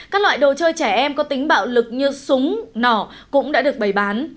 các loại đồ chơi trẻ em có tính bạo lực như súng nỏ cũng đã được bày bán